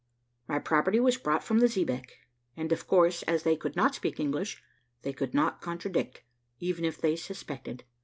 My property was brought from the xebeque; and, of course, as they could not speak English, they could not contradict, even if they suspected.